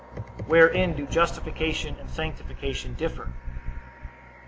Wherein do justification and sanctification differ?